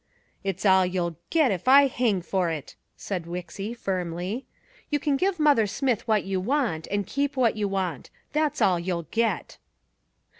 "It's all you'll get, if I hang for it," said Wixy firmly. "You can give Mother Smith what you want, and keep what you want. That's all you'll get."